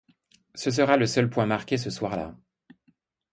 Ce sera le seul point marqué ce soir-là.